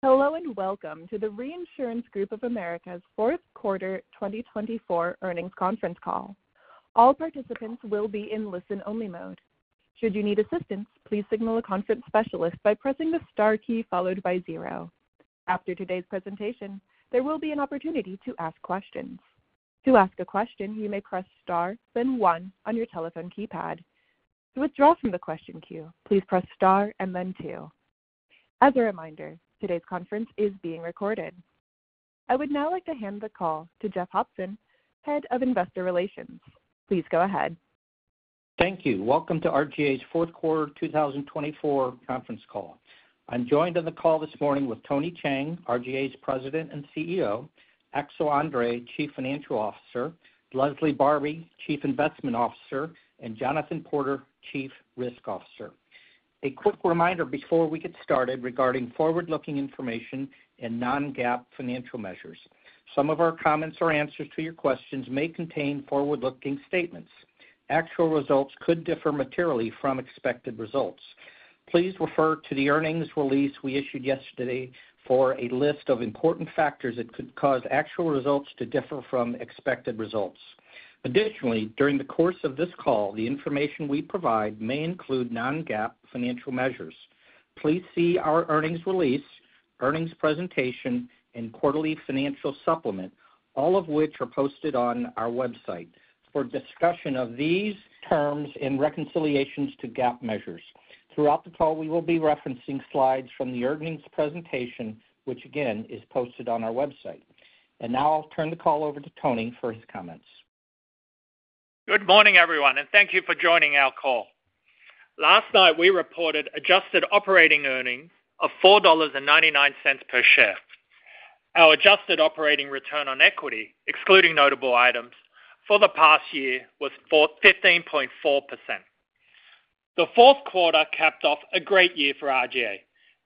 Hello and welcome to the Reinsurance Group of America's fourth quarter 2024 earnings conference call. All participants will be in listen-only mode. Should you need assistance, please signal a conference specialist by pressing the star key followed by zero. After today's presentation, there will be an opportunity to ask questions. To ask a question, you may press star, then one on your telephone keypad. To withdraw from the question queue, please press star and then two. As a reminder, today's conference is being recorded. I would now like to hand the call to Jeff Hopson, Head of Investor Relations. Please go ahead. Thank you. Welcome to RGA's fourth quarter 2024 conference call. I'm joined on the call this morning with Tony Cheng, RGA's President and CEO, Axel André, Chief Financial Officer, Leslie Barbi, Chief Investment Officer, and Jonathan Porter, Chief Risk Officer. A quick reminder before we get started regarding forward-looking information and non-GAAP financial measures. Some of our comments or answers to your questions may contain forward-looking statements. Actual results could differ materially from expected results. Please refer to the earnings release we issued yesterday for a list of important factors that could cause actual results to differ from expected results. Additionally, during the course of this call, the information we provide may include non-GAAP financial measures. Please see our earnings release, earnings presentation, and quarterly financial supplement, all of which are posted on our website for discussion of these terms and reconciliations to GAAP measures. Throughout the call, we will be referencing slides from the earnings presentation, which again is posted on our website, and now I'll turn the call over to Tony for his comments. Good morning, everyone, and thank you for joining our call. Last night, we reported adjusted operating earnings of $4.99 per share. Our adjusted operating return on equity, excluding notable items, for the past year was 15.4%. The fourth quarter capped off a great year for RGA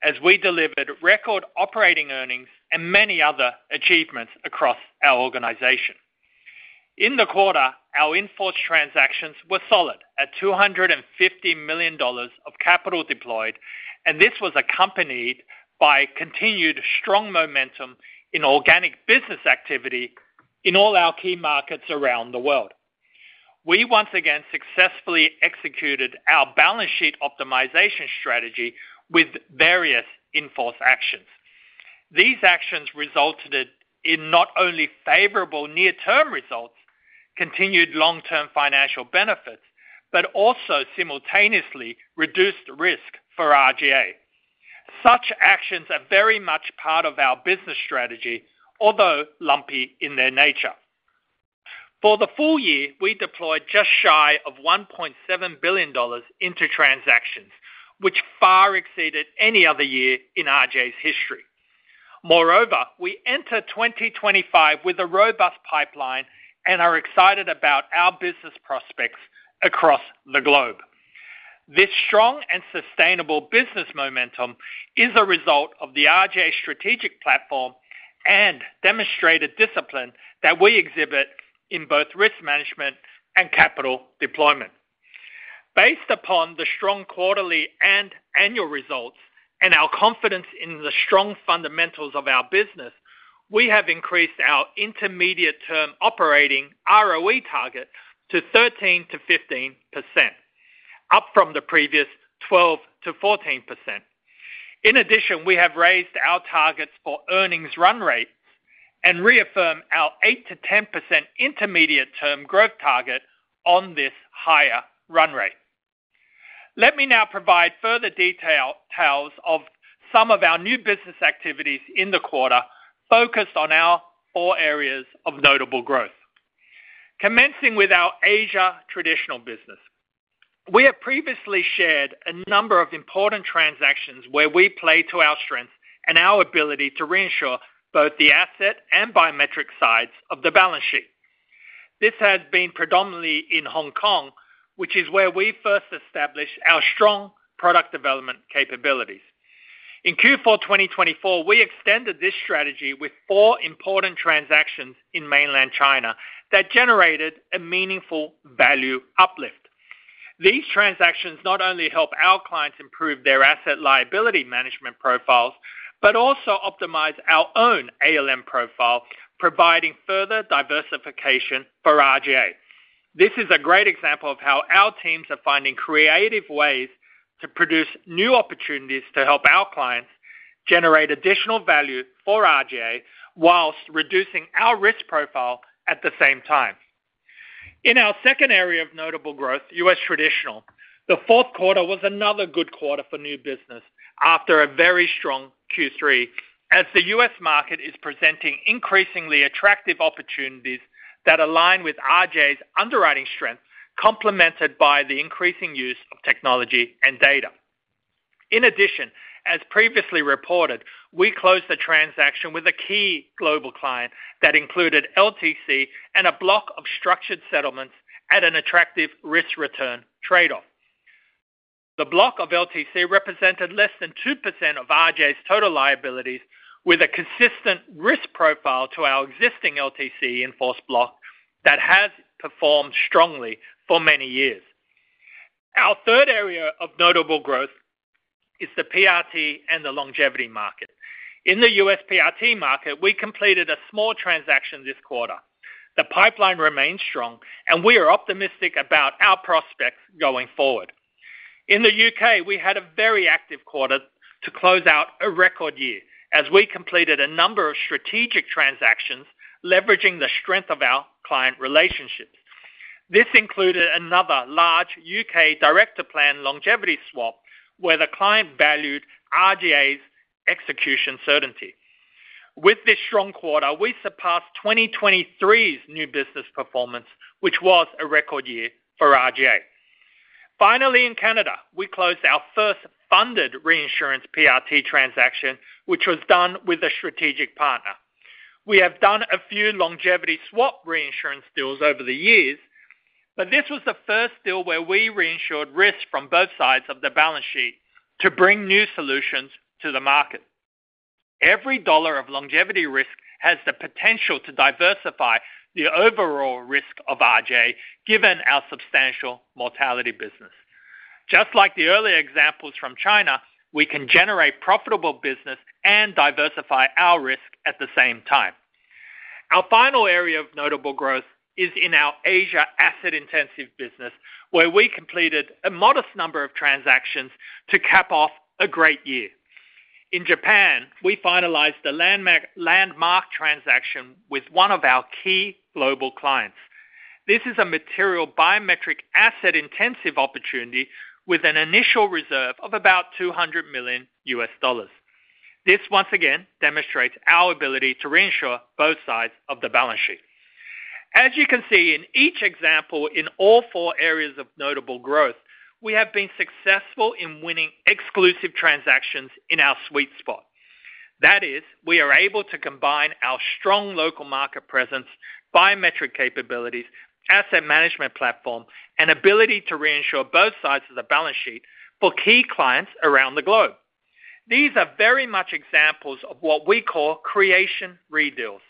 as we delivered record operating earnings and many other achievements across our organization. In the quarter, our in-force transactions were solid at $250 million of capital deployed, and this was accompanied by continued strong momentum in organic business activity in all our key markets around the world. We once again successfully executed our balance sheet optimization strategy with various in-force actions. These actions resulted in not only favorable near-term results, continued long-term financial benefits, but also simultaneously reduced risk for RGA. Such actions are very much part of our business strategy, although lumpy in their nature. For the full year, we deployed just shy of $1.7 billion into transactions, which far exceeded any other year in RGA's history. Moreover, we enter 2025 with a robust pipeline and are excited about our business prospects across the globe. This strong and sustainable business momentum is a result of the RGA strategic platform and demonstrated discipline that we exhibit in both risk management and capital deployment. Based upon the strong quarterly and annual results and our confidence in the strong fundamentals of our business, we have increased our intermediate-term operating ROE target to 13%-15%, up from the previous 12%-14%. In addition, we have raised our targets for earnings run rate and reaffirmed our 8%-10% intermediate-term growth target on this higher run rate. Let me now provide further details of some of our new business activities in the quarter focused on our four areas of notable growth. Commencing with our Asia traditional business, we have previously shared a number of important transactions where we play to our strengths and our ability to reinsure both the asset and biometric sides of the balance sheet. This has been predominantly in Hong Kong, which is where we first established our strong product development capabilities. In Q4 2024, we extended this strategy with four important transactions in mainland China that generated a meaningful value uplift. These transactions not only help our clients improve their asset liability management profiles, but also optimize our own ALM profile, providing further diversification for RGA. This is a great example of how our teams are finding creative ways to produce new opportunities to help our clients generate additional value for RGA whilst reducing our risk profile at the same time. In our second area of notable growth, U.S. traditional, the fourth quarter was another good quarter for new business after a very strong Q3, as the U.S. market is presenting increasingly attractive opportunities that align with RGA's underwriting strength, complemented by the increasing use of technology and data. In addition, as previously reported, we closed the transaction with a key global client that included LTC and a block of structured settlements at an attractive risk-return trade-off. The block of LTC represented less than 2% of RGA's total liabilities, with a consistent risk profile to our existing LTC in-force block that has performed strongly for many years. Our third area of notable growth is the PRT and the longevity market. In the U.S. PRT market, we completed a small transaction this quarter. The pipeline remains strong, and we are optimistic about our prospects going forward. In the U.K., we had a very active quarter to close out a record year, as we completed a number of strategic transactions leveraging the strength of our client relationships. This included another large U.K. director plan longevity swap, where the client valued RGA's execution certainty. With this strong quarter, we surpassed 2023's new business performance, which was a record year for RGA. Finally, in Canada, we closed our first funded reinsurance PRT transaction, which was done with a strategic partner. We have done a few longevity swap reinsurance deals over the years, but this was the first deal where we reinsured risk from both sides of the balance sheet to bring new solutions to the market. Every dollar of longevity risk has the potential to diversify the overall risk of RGA, given our substantial mortality business. Just like the earlier examples from China, we can generate profitable business and diversify our risk at the same time. Our final area of notable growth is in our Asia asset-intensive business, where we completed a modest number of transactions to cap off a great year. In Japan, we finalized the landmark transaction with one of our key global clients. This is a material biometric asset-intensive opportunity with an initial reserve of about $200 million. This, once again, demonstrates our ability to reinsure both sides of the balance sheet. As you can see in each example in all four areas of notable growth, we have been successful in winning exclusive transactions in our sweet spot. That is, we are able to combine our strong local market presence, biometric capabilities, asset management platform, and ability to reinsure both sides of the balance sheet for key clients around the globe. These are very much examples of what we call Creation Re deals.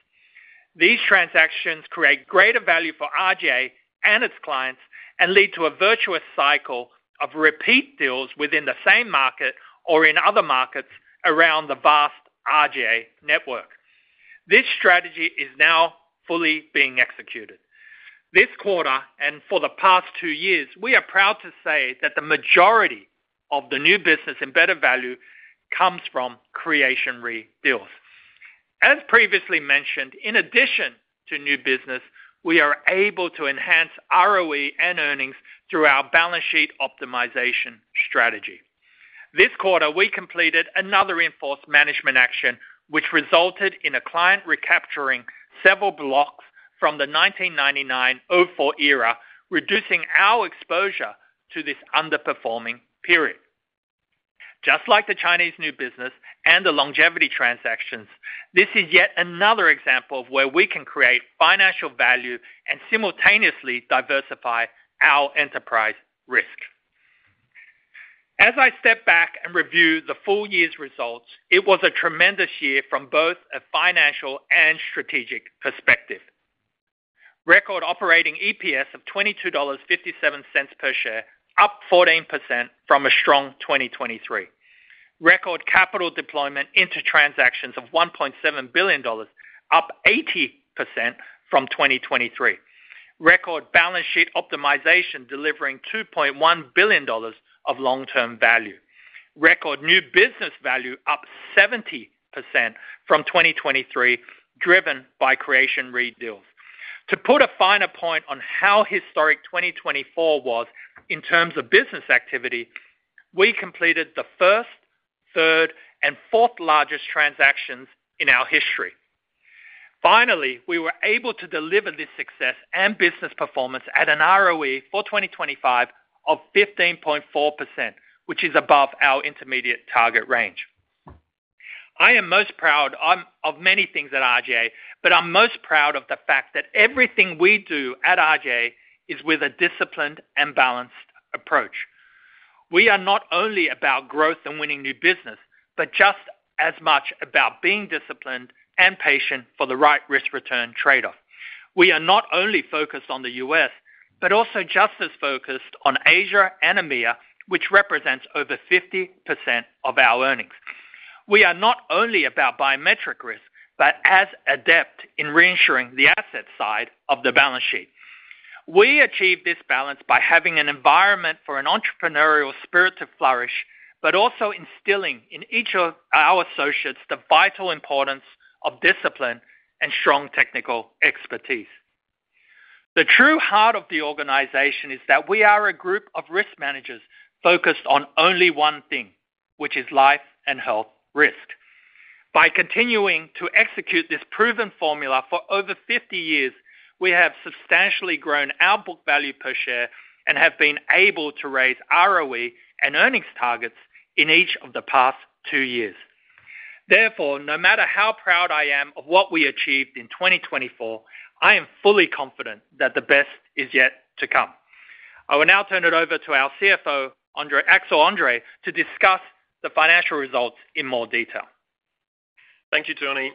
These transactions create greater value for RGA and its clients and lead to a virtuous cycle of repeat deals within the same market or in other markets around the vast RGA network. This strategy is now fully being executed. This quarter and for the past two years, we are proud to say that the majority of the new business and better value comes from Creation Re deals. As previously mentioned, in addition to new business, we are able to enhance ROE and earnings through our balance sheet optimization strategy. This quarter, we completed another in-force management action, which resulted in a client recapturing several blocks from the 1999-2004 era, reducing our exposure to this underperforming period. Just like the Chinese new business and the longevity transactions, this is yet another example of where we can create financial value and simultaneously diversify our enterprise risk. As I step back and review the full year's results, it was a tremendous year from both a financial and strategic perspective. Record operating EPS of $22.57 per share, up 14% from a strong 2023. Record capital deployment into transactions of $1.7 billion, up 80% from 2023. Record balance sheet optimization delivering $2.1 billion of long-term value. Record new business value, up 70% from 2023, driven by Creation Re deal. To put a finer point on how historic 2024 was in terms of business activity, we completed the first, third, and fourth largest transactions in our history. Finally, we were able to deliver this success and business performance at an ROE for 2025 of 15.4%, which is above our intermediate target range. I am most proud of many things at RGA, but I'm most proud of the fact that everything we do at RGA is with a disciplined and balanced approach. We are not only about growth and winning new business, but just as much about being disciplined and patient for the right risk-return trade-off. We are not only focused on the U.S., but also just as focused on Asia and EMEA, which represents over 50% of our earnings. We are not only about biometric risk, but as adept in reinsuring the asset side of the balance sheet. We achieved this balance by having an environment for an entrepreneurial spirit to flourish, but also instilling in each of our associates the vital importance of discipline and strong technical expertise. The true heart of the organization is that we are a group of risk managers focused on only one thing, which is life and health risk. By continuing to execute this proven formula for over 50 years, we have substantially grown our book value per share and have been able to raise ROE and earnings targets in each of the past two years. Therefore, no matter how proud I am of what we achieved in 2024, I am fully confident that the best is yet to come. I will now turn it over to our CFO, Axel André, to discuss the financial results in more detail. Thank you, Tony.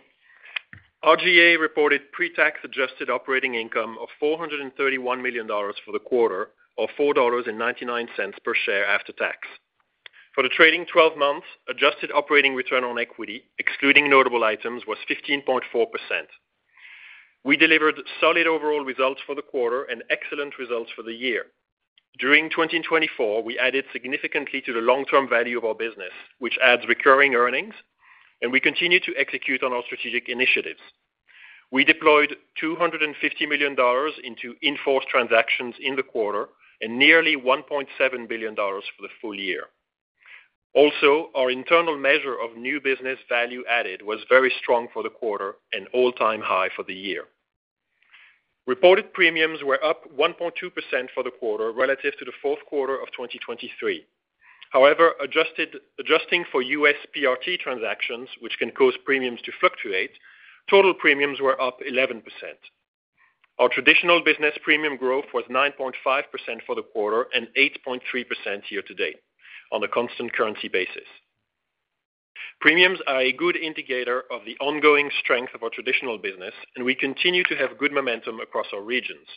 RGA reported pre-tax adjusted operating income of $431 million for the quarter, or $4.99 per share after tax. For the trailing 12 months, adjusted operating return on equity, excluding notable items, was 15.4%. We delivered solid overall results for the quarter and excellent results for the year. During 2024, we added significantly to the long-term value of our business, which adds recurring earnings, and we continue to execute on our strategic initiatives. We deployed $250 million into in-force transactions in the quarter and nearly $1.7 billion for the full year. Also, our internal measure of new business value added was very strong for the quarter and all-time high for the year. Reported premiums were up 1.2% for the quarter relative to the fourth quarter of 2023. However, adjusting for U.S. PRT transactions, which can cause premiums to fluctuate, total premiums were up 11%. Our traditional business premium growth was 9.5% for the quarter and 8.3% year to date on a constant currency basis. Premiums are a good indicator of the ongoing strength of our traditional business, and we continue to have good momentum across our regions.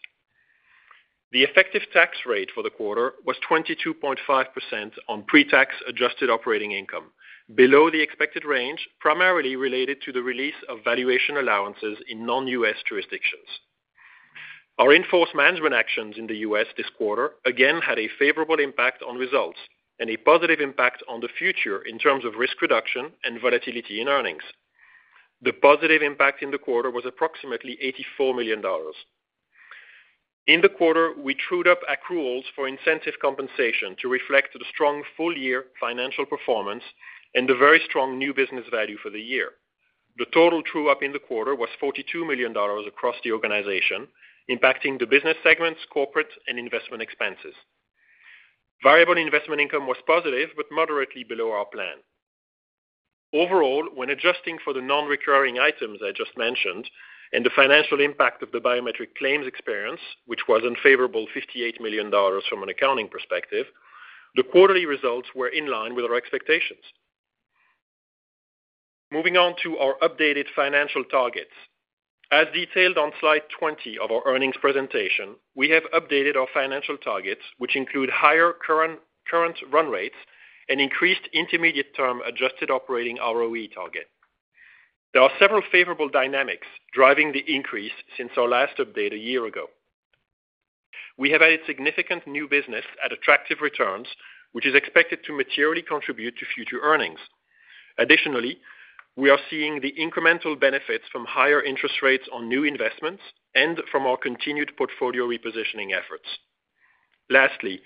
The effective tax rate for the quarter was 22.5% on pre-tax adjusted operating income, below the expected range, primarily related to the release of valuation allowances in non-U.S. jurisdictions. Our enforced management actions in the U.S. this quarter again had a favorable impact on results and a positive impact on the future in terms of risk reduction and volatility in earnings. The positive impact in the quarter was approximately $84 million. In the quarter, we trued up accruals for incentive compensation to reflect the strong full-year financial performance and the very strong new business value for the year. The total true-up in the quarter was $42 million across the organization, impacting the business segments, corporate, and investment expenses. Variable investment income was positive, but moderately below our plan. Overall, when adjusting for the non-recurring items I just mentioned and the financial impact of the biometric claims experience, which was unfavorable $58 million from an accounting perspective, the quarterly results were in line with our expectations. Moving on to our updated financial targets. As detailed on slide 20 of our earnings presentation, we have updated our financial targets, which include higher current run rates and increased intermediate-term adjusted operating ROE target. There are several favorable dynamics driving the increase since our last update a year ago. We have added significant new business at attractive returns, which is expected to materially contribute to future earnings. Additionally, we are seeing the incremental benefits from higher interest rates on new investments and from our continued portfolio repositioning efforts. Lastly,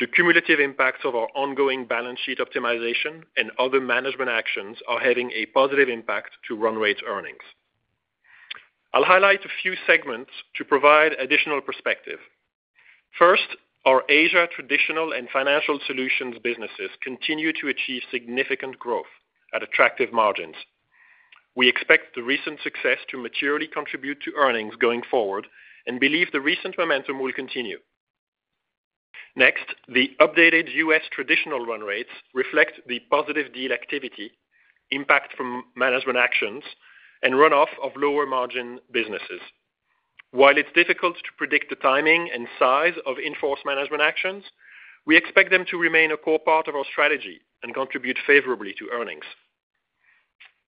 the cumulative impacts of our ongoing balance sheet optimization and other management actions are having a positive impact to run rate earnings. I'll highlight a few segments to provide additional perspective. First, our Asia traditional and financial solutions businesses continue to achieve significant growth at attractive margins. We expect the recent success to materially contribute to earnings going forward and believe the recent momentum will continue. Next, the updated U.S. traditional run rates reflect the positive deal activity, impact from management actions, and run-off of lower margin businesses. While it's difficult to predict the timing and size of in-force management actions, we expect them to remain a core part of our strategy and contribute favorably to earnings.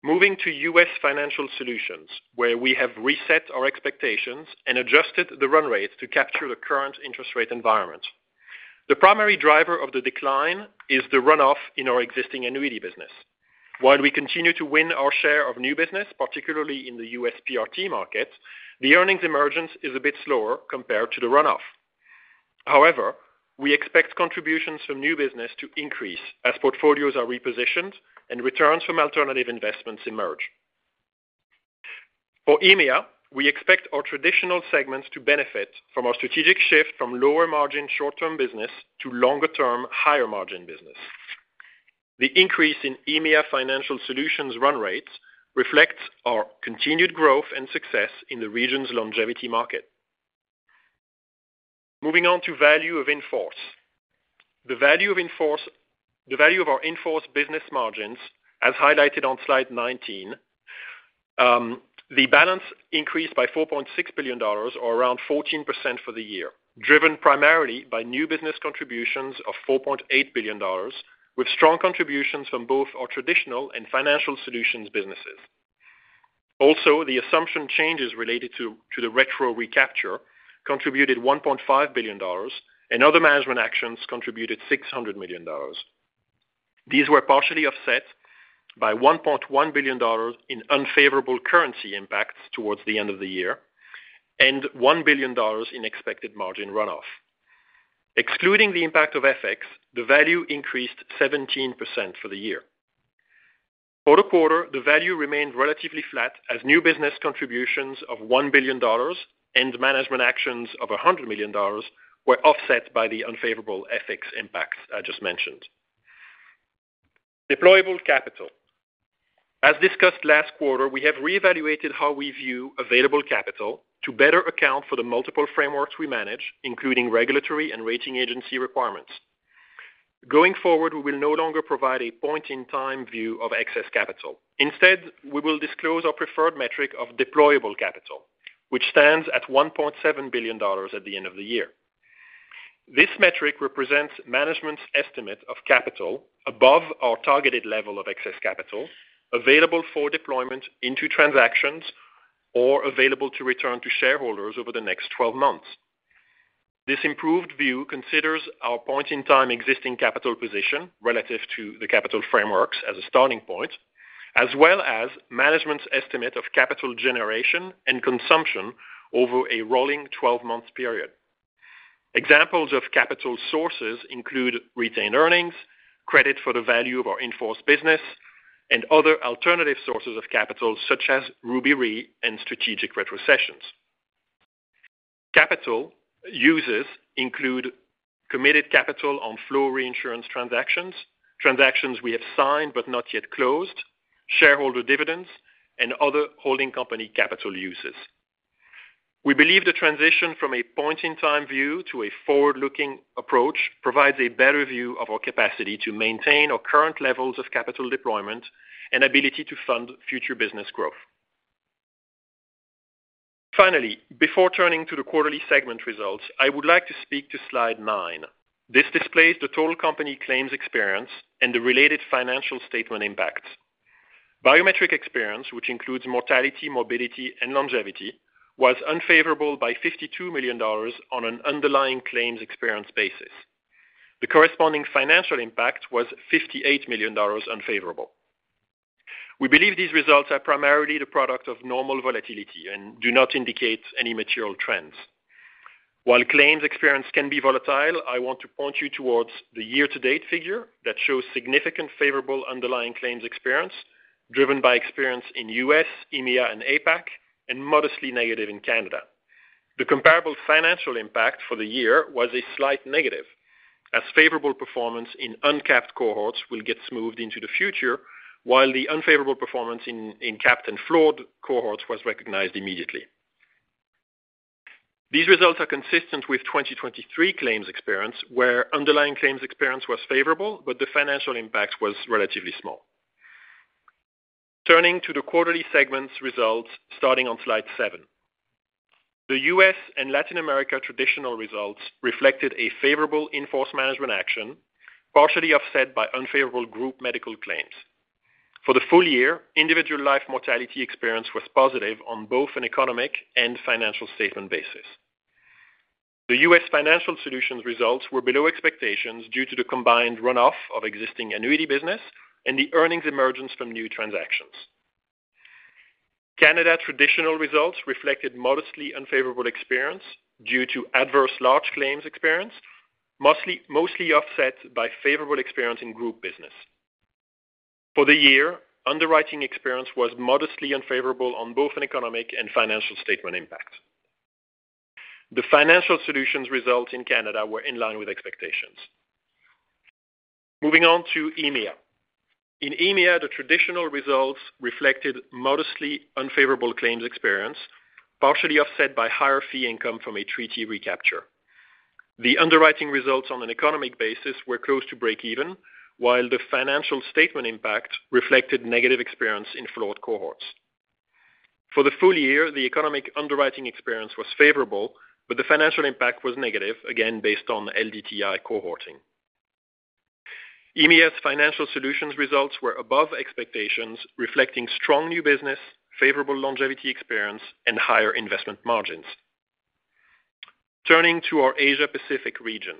Moving to U.S. financial solutions, where we have reset our expectations and adjusted the run rates to capture the current interest rate environment. The primary driver of the decline is the run-off in our existing annuity business. While we continue to win our share of new business, particularly in the U.S. PRT market, the earnings emergence is a bit slower compared to the run-off. However, we expect contributions from new business to increase as portfolios are repositioned and returns from alternative investments emerge. For EMEA, we expect our traditional segments to benefit from our strategic shift from lower margin short-term business to longer-term higher margin business. The increase in EMEA financial solutions run rates reflects our continued growth and success in the region's longevity market. Moving on to value of in-force. The value of our in-force business, as highlighted on slide 19, increased by $4.6 billion, or around 14% for the year, driven primarily by new business contributions of $4.8 billion, with strong contributions from both our traditional and financial solutions businesses. Also, the assumption changes related to the retrocession recapture contributed $1.5 billion, and other management actions contributed $600 million. These were partially offset by $1.1 billion in unfavorable currency impacts towards the end of the year and $1 billion in expected margin run-off. Excluding the impact of FX, the value increased 17% for the year. For the quarter, the value remained relatively flat as new business contributions of $1 billion and management actions of $100 million were offset by the unfavorable FX impacts I just mentioned. Deployable capital. As discussed last quarter, we have reevaluated how we view available capital to better account for the multiple frameworks we manage, including regulatory and rating agency requirements. Going forward, we will no longer provide a point-in-time view of excess capital. Instead, we will disclose our preferred metric of deployable capital, which stands at $1.7 billion at the end of the year. This metric represents management's estimate of capital above our targeted level of excess capital available for deployment into transactions or available to return to shareholders over the next 12 months. This improved view considers our point-in-time existing capital position relative to the capital frameworks as a starting point, as well as management's estimate of capital generation and consumption over a rolling 12-month period. Examples of capital sources include retained earnings, credit for the value of our in-force business, and other alternative sources of capital, such as Ruby Re and strategic retrocessions. Capital uses include committed capital on flow reinsurance transactions, transactions we have signed but not yet closed, shareholder dividends, and other holding company capital uses. We believe the transition from a point-in-time view to a forward-looking approach provides a better view of our capacity to maintain our current levels of capital deployment and ability to fund future business growth. Finally, before turning to the quarterly segment results, I would like to speak to slide 9. This displays the total company claims experience and the related financial statement impacts. Biometric experience, which includes mortality, morbidity, and longevity, was unfavorable by $52 million on an underlying claims experience basis. The corresponding financial impact was $58 million unfavorable. We believe these results are primarily the product of normal volatility and do not indicate any material trends. While claims experience can be volatile, I want to point you towards the year-to-date figure that shows significant favorable underlying claims experience driven by experience in U.S., EMEA, and APAC, and modestly negative in Canada. The comparable financial impact for the year was a slight negative, as favorable performance in uncapped cohorts will get smoothed into the future, while the unfavorable performance in capped and floored cohorts was recognized immediately. These results are consistent with 2023 claims experience, where underlying claims experience was favorable, but the financial impact was relatively small. Turning to the quarterly segments results starting on slide seven. The U.S. and Latin America traditional results reflected a favorable in-force management action, partially offset by unfavorable group medical claims. For the full year, individual life mortality experience was positive on both an economic and financial statement basis. The U.S. financial solutions results were below expectations due to the combined run-off of existing annuity business and the earnings emergence from new transactions. Canada traditional results reflected modestly unfavorable experience due to adverse large claims experience, mostly offset by favorable experience in group business. For the year, underwriting experience was modestly unfavorable on both an economic and financial statement impact. The financial solutions results in Canada were in line with expectations. Moving on to EMEA. In EMEA, the traditional results reflected modestly unfavorable claims experience, partially offset by higher fee income from a treaty recapture. The underwriting results on an economic basis were close to break-even, while the financial statement impact reflected negative experience in floored cohorts. For the full year, the economic underwriting experience was favorable, but the financial impact was negative, again based on LDTI cohorting. EMEA's financial solutions results were above expectations, reflecting strong new business, favorable longevity experience, and higher investment margins. Turning to our Asia-Pacific region,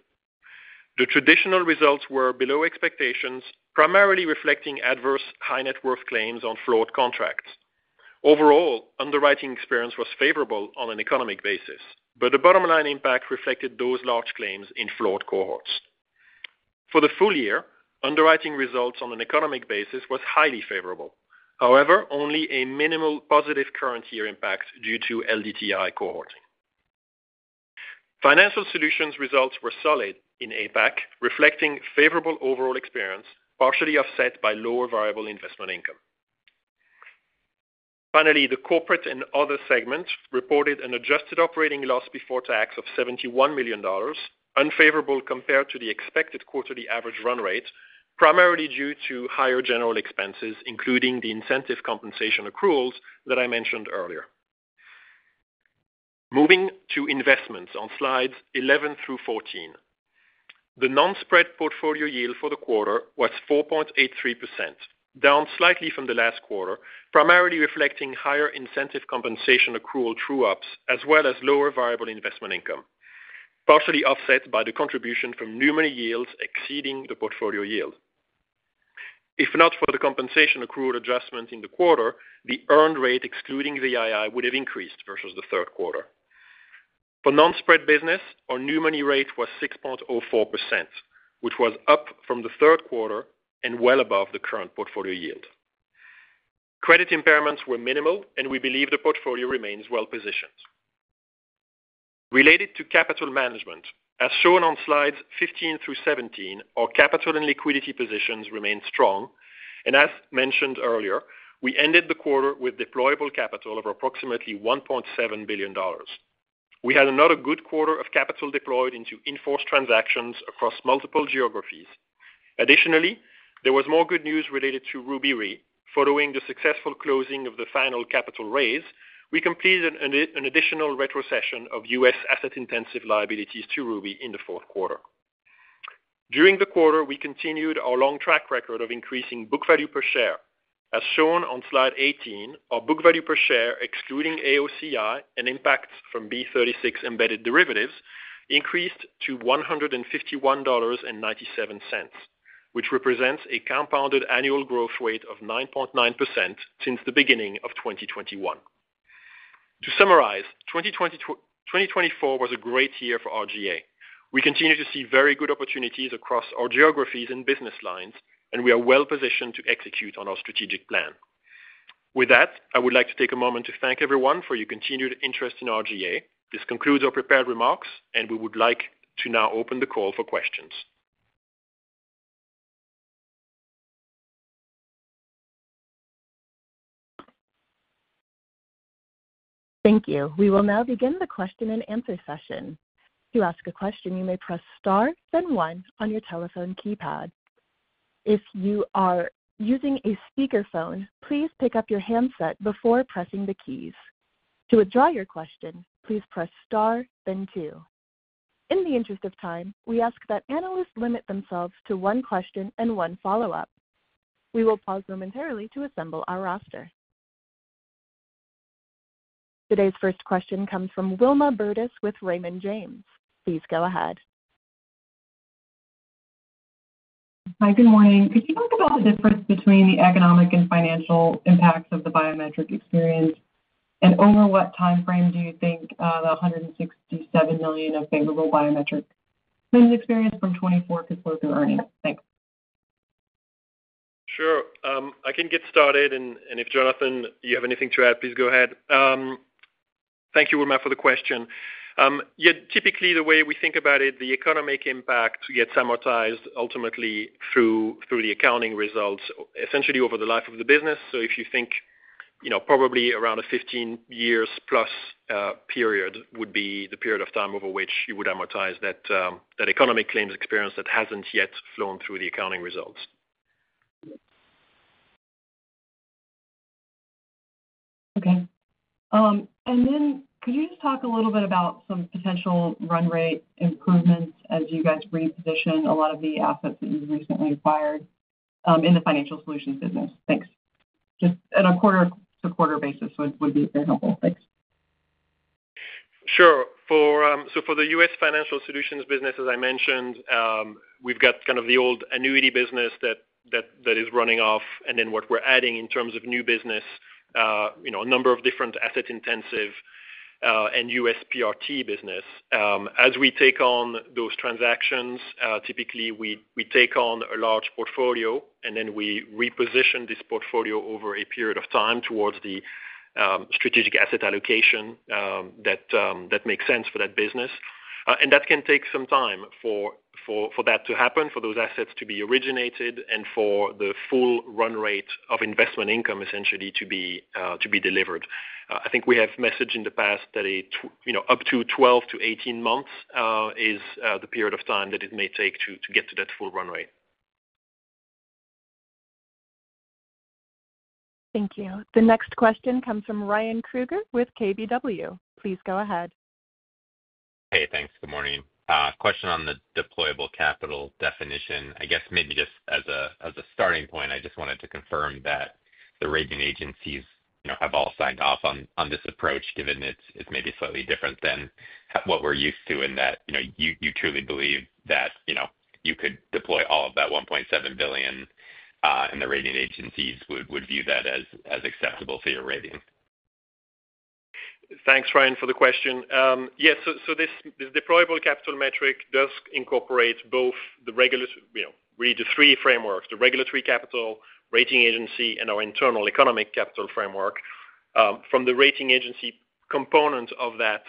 the traditional results were below expectations, primarily reflecting adverse high-net-worth claims on floored contracts. Overall, underwriting experience was favorable on an economic basis, but the bottom-line impact reflected those large claims in floored cohorts. For the full year, underwriting results on an economic basis was highly favorable. However, only a minimal positive current-year impact due to LDTI cohorting. Financial solutions results were solid in APAC, reflecting favorable overall experience, partially offset by lower variable investment income. Finally, the corporate and other segments reported an adjusted operating loss before tax of $71 million, unfavorable compared to the expected quarterly average run rate, primarily due to higher general expenses, including the incentive compensation accruals that I mentioned earlier. Moving to investments on slides 11 through 14. The non-spread portfolio yield for the quarter was 4.83%, down slightly from the last quarter, primarily reflecting higher incentive compensation accrual true-ups, as well as lower variable investment income, partially offset by the contribution from new money yields exceeding the portfolio yield. If not for the compensation accrual adjustment in the quarter, the earned rate excluding VII would have increased versus the third quarter. For non-spread business, our new money rate was 6.04%, which was up from the third quarter and well above the current portfolio yield. Credit impairments were minimal, and we believe the portfolio remains well-positioned. Related to capital management, as shown on slides 15 through 17, our capital and liquidity positions remained strong, and as mentioned earlier, we ended the quarter with deployable capital of approximately $1.7 billion. We had another good quarter of capital deployed into in-force transactions across multiple geographies. Additionally, there was more good news related to Ruby Re. Following the successful closing of the final capital raise, we completed an additional retrocession of U.S. asset-intensive liabilities to Ruby in the fourth quarter. During the quarter, we continued our long track record of increasing book value per share. As shown on slide 18, our book value per share, excluding AOCI and impacts from B36 embedded derivatives, increased to $151.97, which represents a compounded annual growth rate of 9.9% since the beginning of 2021. To summarize, 2024 was a great year for RGA. We continue to see very good opportunities across our geographies and business lines, and we are well-positioned to execute on our strategic plan. With that, I would like to take a moment to thank everyone for your continued interest in RGA. This concludes our prepared remarks, and we would like to now open the call for questions. Thank you. We will now begin the question-and-answer session. To ask a question, you may press star, then one, on your telephone keypad. If you are using a speakerphone, please pick up your handset before pressing the keys. To withdraw your question, please press star, then two. In the interest of time, we ask that analysts limit themselves to one question and one follow-up. We will pause momentarily to assemble our roster. Today's first question comes from Wilma Burdis with Raymond James. Please go ahead. Hi, good morning. Could you talk about the difference between the economic and financial impacts of the biometric experience, and over what timeframe do you think the $167 million of favorable biometric claims experience from 2024 could flow through earnings? Thanks. Sure. I can get started, and if Jonathan, you have anything to add, please go ahead. Thank you, Wilma, for the question. Typically, the way we think about it, the economic impact gets amortized ultimately through the accounting results, essentially over the life of the business. So if you think probably around a 15-years-plus period would be the period of time over which you would amortize that economic claims experience that hasn't yet flown through the accounting results. Okay. And then could you just talk a little bit about some potential run rate improvements as you guys reposition a lot of the assets that you've recently acquired in the financial solutions business? Thanks. Just on a quarter-to-quarter basis would be very helpful. Thanks. Sure. So for the U.S. financial solutions business, as I mentioned, we've got kind of the old annuity business that is running off, and then what we're adding in terms of new business, a number of different asset-intensive and U.S. PRT business. As we take on those transactions, typically, we take on a large portfolio, and then we reposition this portfolio over a period of time towards the strategic asset allocation that makes sense for that business. And that can take some time for that to happen, for those assets to be originated, and for the full run rate of investment income essentially to be delivered. I think we have messaged in the past that up to 12 to 18 months is the period of time that it may take to get to that full run rate. Thank you. The next question comes from Ryan Krueger with KBW. Please go ahead. Hey, thanks. Good morning. Question on the deployable capital definition. I guess maybe just as a starting point, I just wanted to confirm that the rating agencies have all signed off on this approach, given it's maybe slightly different than what we're used to in that you truly believe that you could deploy all of that $1.7 billion, and the rating agencies would view that as acceptable for your rating. Thanks, Ryan, for the question. Yes, so this deployable capital metric does incorporate both the three frameworks: the regulatory capital, rating agency, and our internal economic capital framework. From the rating agency component of that,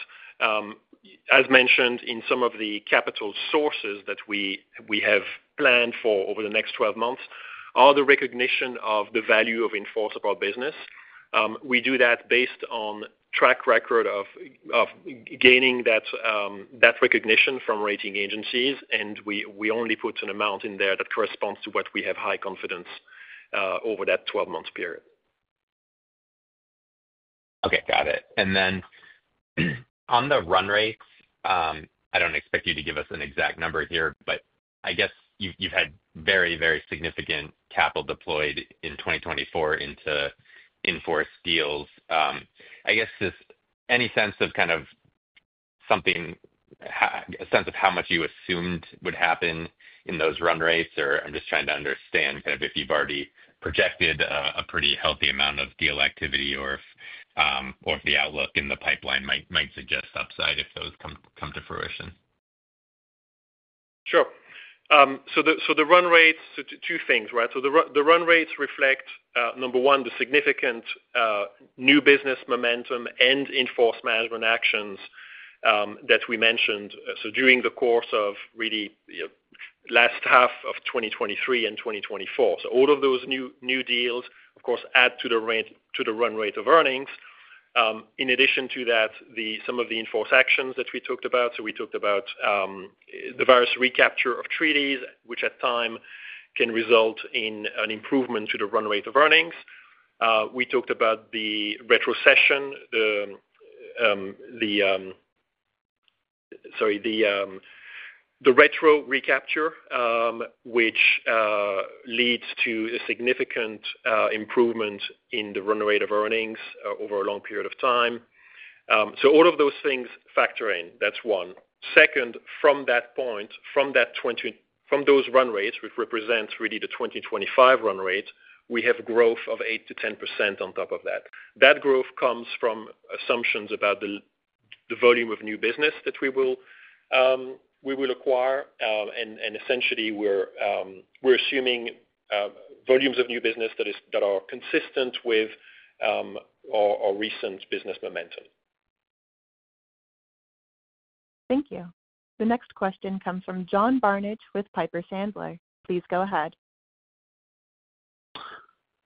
as mentioned in some of the capital sources that we have planned for over the next 12 months, all the recognition of the value of in-force business. We do that based on track record of gaining that recognition from rating agencies, and we only put an amount in there that corresponds to what we have high confidence over that 12-month period. Okay, got it. And then on the run rates, I don't expect you to give us an exact number here, but I guess you've had very, very significant capital deployed in 2024 into in-force deals. I guess just any sense of kind of something, a sense of how much you assumed would happen in those run rates? Or I'm just trying to understand kind of if you've already projected a pretty healthy amount of deal activity or if the outlook in the pipeline might suggest upside if those come to fruition. Sure. So the run rates, two things, right? So the run rates reflect, number one, the significant new business momentum and in-force management actions that we mentioned. So during the course of the latter half of 2023 and 2024. So all of those new deals, of course, add to the run rate of earnings. In addition to that, some of the in-force actions that we talked about. So we talked about the various recapture of treaties, which at times can result in an improvement to the run rate of earnings. We talked about the retrocession, the retro recapture, which leads to a significant improvement in the run rate of earnings over a long period of time. So all of those things factor in. That's one. Second, from that point, from those run rates, which represents really the 2025 run rate, we have growth of 8%-10% on top of that. That growth comes from assumptions about the volume of new business that we will acquire, and essentially, we're assuming volumes of new business that are consistent with our recent business momentum. Thank you. The next question comes from John Barnidge with Piper Sandler. Please go ahead.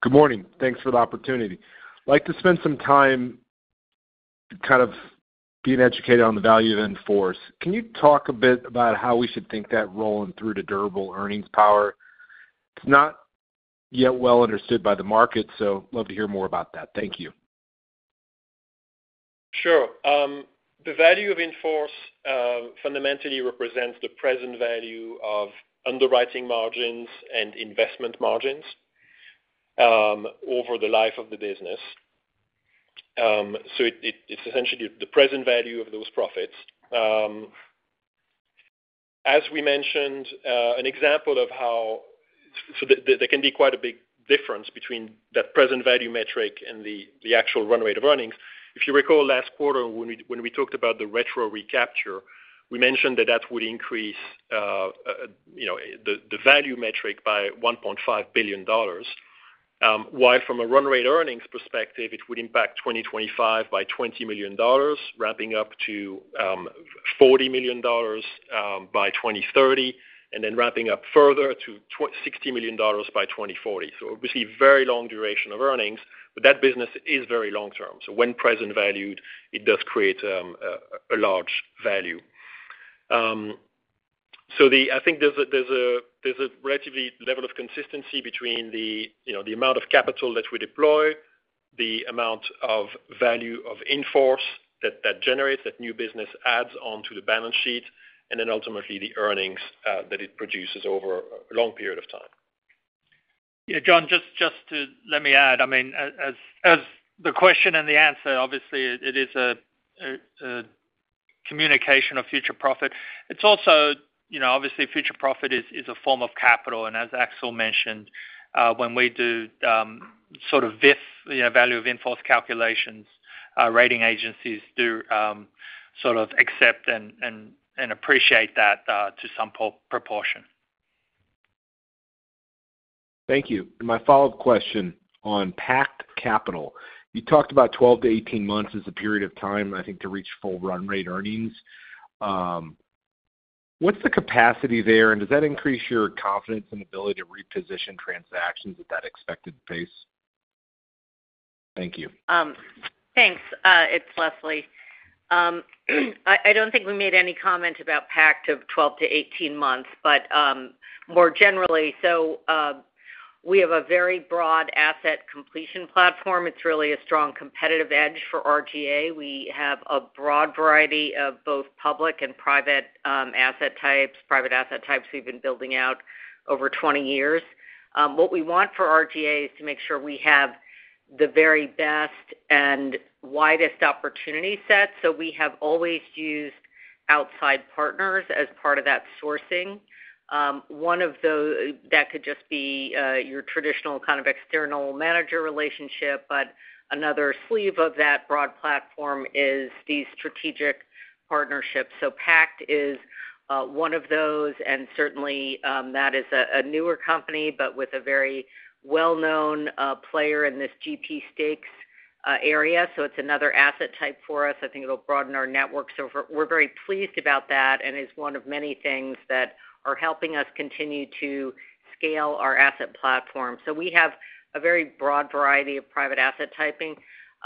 Good morning. Thanks for the opportunity. I'd like to spend some time kind of being educated on the value of in-force. Can you talk a bit about how we should think about that role in the durable earnings power? It's not yet well understood by the market, so I'd love to hear more about that. Thank you. Sure. The value of in-force fundamentally represents the present value of underwriting margins and investment margins over the life of the business. So it's essentially the present value of those profits. As we mentioned, an example of how there can be quite a big difference between that present value metric and the actual run rate of earnings. If you recall last quarter, when we talked about the retro recapture, we mentioned that that would increase the value metric by $1.5 billion, while from a run rate earnings perspective, it would impact 2025 by $20 million, ramping up to $40 million by 2030, and then ramping up further to $60 million by 2040. So obviously, very long duration of earnings, but that business is very long-term. So when present valued, it does create a large value. I think there's a relative level of consistency between the amount of capital that we deploy, the amount of value of in-force that generates, that new business adds onto the balance sheet, and then ultimately, the earnings that it produces over a long period of time. Yeah, John, just to let me add, I mean, as the question and the answer, obviously, it is a communication of future profit. It's also, obviously, future profit is a form of capital. And as Axel mentioned, when we do sort of value of in-force calculations, rating agencies do sort of accept and appreciate that to some proportion. Thank you. And my follow-up question on deployable capital. You talked about 12 to 18 months as a period of time, I think, to reach full run rate earnings. What's the capacity there, and does that increase your confidence and ability to reposition transactions at that expected pace? Thank you. Thanks. It's Leslie. I don't think we made any comment about PACT of 12 to 18 months, but more generally, so we have a very broad asset allocation platform. It's really a strong competitive edge for RGA. We have a broad variety of both public and private asset types, private asset types we've been building out over 20 years. What we want for RGA is to make sure we have the very best and widest opportunity set, so we have always used outside partners as part of that sourcing. One of those that could just be your traditional kind of external manager relationship, but another sleeve of that broad platform is these strategic partnerships, so PACT is one of those, and certainly, that is a newer company, but with a very well-known player in this GP stakes area, so it's another asset type for us. I think it'll broaden our network. So we're very pleased about that, and it's one of many things that are helping us continue to scale our asset platform. So we have a very broad variety of private asset types.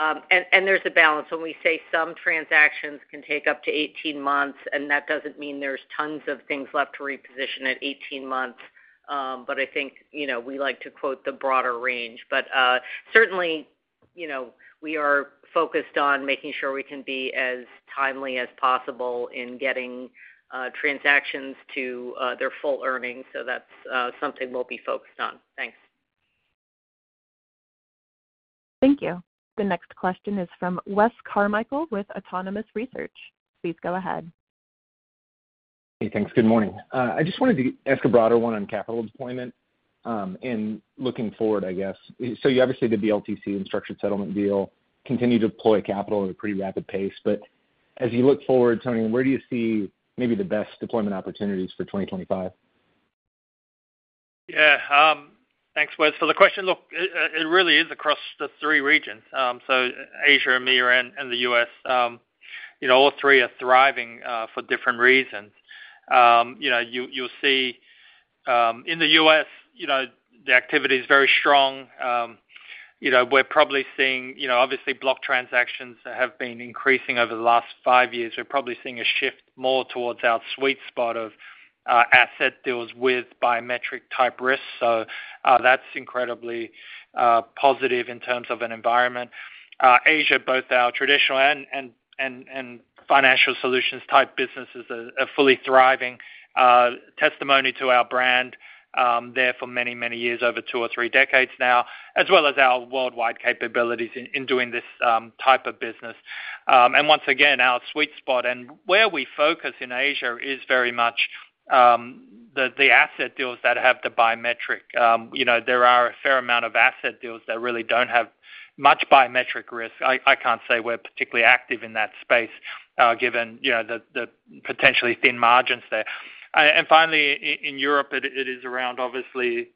And there's a balance. When we say some transactions can take up to 18 months, and that doesn't mean there's tons of things left to reposition at 18 months, but I think we like to quote the broader range. But certainly, we are focused on making sure we can be as timely as possible in getting transactions to their full earnings. So that's something we'll be focused on. Thanks. Thank you. The next question is from Wes Carmichael with Autonomous Research. Please go ahead. Hey, thanks. Good morning. I just wanted to ask a broader one on capital deployment and looking forward, I guess. So you obviously did the LTC, the structured settlement deal, continue to deploy capital at a pretty rapid pace. But as you look forward, Tony, where do you see maybe the best deployment opportunities for 2025? Yeah. Thanks, Wes, for the question. Look, it really is across the three regions. So Asia, America, and the US, all three are thriving for different reasons. You'll see in the US, the activity is very strong. We're probably seeing, obviously, block transactions have been increasing over the last five years. We're probably seeing a shift more towards our sweet spot of asset deals with biometric-type risks. So that's incredibly positive in terms of an environment. Asia, both our traditional and financial solutions-type businesses are fully thriving, testimony to our brand there for many, many years, over two or three decades now, as well as our worldwide capabilities in doing this type of business. And once again, our sweet spot and where we focus in Asia is very much the asset deals that have the biometric. There are a fair amount of asset deals that really don't have much biometric risk. I can't say we're particularly active in that space given the potentially thin margins there. And finally, in Europe, it is around, obviously,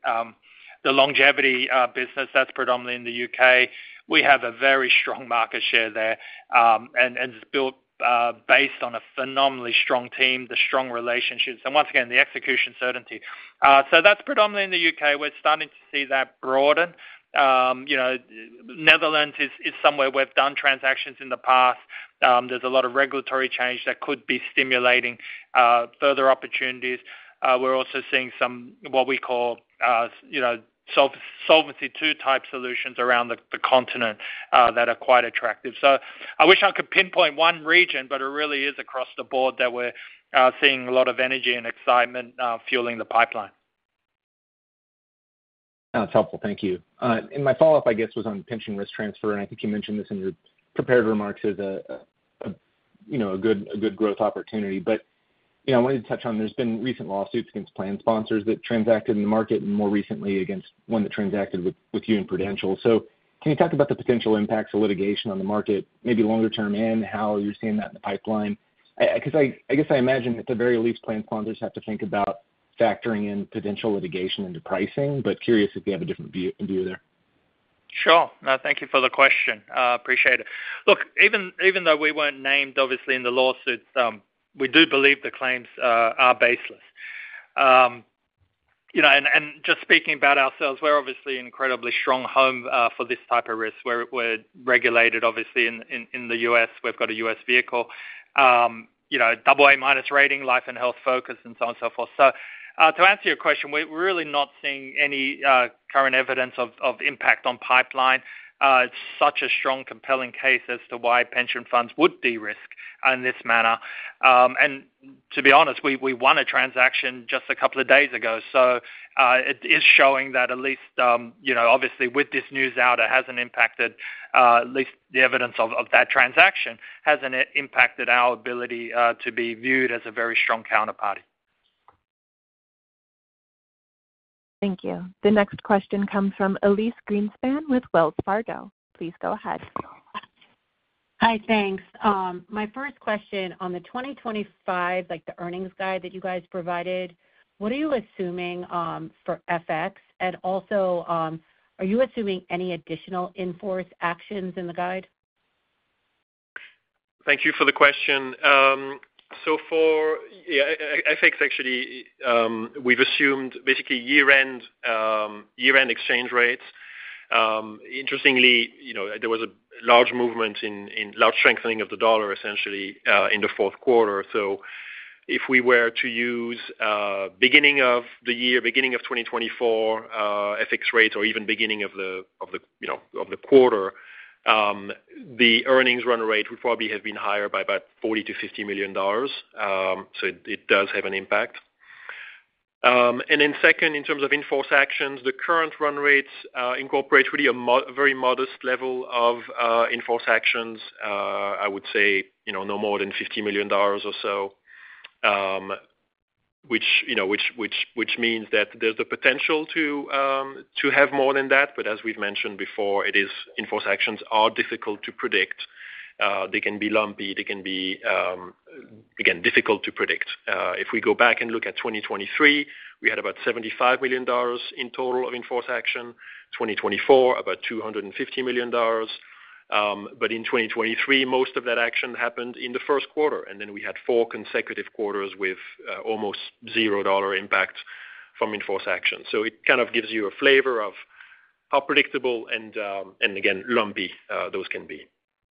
the longevity business. That's predominantly in the U.K. We have a very strong market share there and it's built based on a phenomenally strong team, the strong relationships, and once again, the execution certainty. So that's predominantly in the U.K. We're starting to see that broaden. Netherlands is somewhere we've done transactions in the past. There's a lot of regulatory change that could be stimulating further opportunities. We're also seeing some what we call Solvency II-type solutions around the continent that are quite attractive. So I wish I could pinpoint one region, but it really is across the board that we're seeing a lot of energy and excitement fueling the pipeline. That's helpful. Thank you. My follow-up, I guess, was on pension risk transfer. I think you mentioned this in your prepared remarks as a good growth opportunity. I wanted to touch on there's been recent lawsuits against plan sponsors that transacted in the market and more recently against one that transacted with you and Prudential. Can you talk about the potential impacts of litigation on the market, maybe longer term and how you're seeing that in the pipeline? Because I guess I imagine at the very least, plan sponsors have to think about factoring in potential litigation into pricing, but curious if you have a different view there. Sure. No, thank you for the question. Appreciate it. Look, even though we weren't named, obviously, in the lawsuits, we do believe the claims are baseless. And just speaking about ourselves, we're obviously an incredibly strong home for this type of risk. We're regulated, obviously, in the U.S. We've got a U.S. vehicle, AA- rating, life and health focus, and so on and so forth. So to answer your question, we're really not seeing any current evidence of impact on pipeline. It's such a strong, compelling case as to why pension funds would de-risk in this manner. And to be honest, we won a transaction just a couple of days ago. So it is showing that at least, obviously, with this news out, it hasn't impacted. At least the evidence of that transaction hasn't impacted our ability to be viewed as a very strong counterparty. Thank you. The next question comes from Elyse Greenspan with Wells Fargo. Please go ahead. Hi, thanks. My first question on the 2025, like the earnings guide that you guys provided, what are you assuming for FX? And also, are you assuming any additional in-force actions in the guide? Thank you for the question, so for FX, actually, we've assumed basically year-end exchange rates. Interestingly, there was a large movement in large strengthening of the dollar, essentially, in the fourth quarter, so if we were to use beginning of the year, beginning of 2024, FX rate, or even beginning of the quarter, the earnings run rate would probably have been higher by about $40 million-$50 million. So it does have an impact, and then second, in terms of in-force actions, the current run rates incorporate really a very modest level of in-force actions, I would say no more than $50 million or so, which means that there's the potential to have more than that, but as we've mentioned before, in-force actions are difficult to predict. They can be lumpy. They can be, again, difficult to predict. If we go back and look at 2023, we had about $75 million in total of in-force action. 2024, about $250 million. But in 2023, most of that action happened in the first quarter. And then we had four consecutive quarters with almost zero dollar impact from in-force action. So it kind of gives you a flavor of how predictable and, again, lumpy those can be.